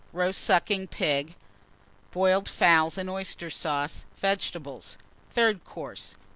Roast Sucking Pig. Boiled Fowls and Oyster Sauce. Vegetables. THIRD COURSE.